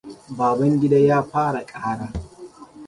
Babangida ya fara kara.